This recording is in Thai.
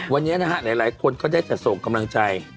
วันนี้นะฮะหลายคนก็ได้แต่ส่งกำลังใจ